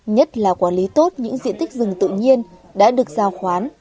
nhất là quản lý tốt những diện tích rừng tự nhiên đã được giao khoán